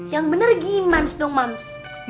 yang bener gimans dong mams